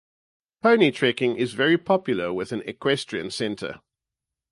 Pony trekking is very popular with an equestrian centre.